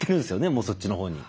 もうそっちのほうに。